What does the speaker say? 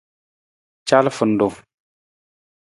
Calafarung.